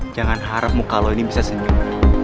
jangan harap muka lo ini bisa senyum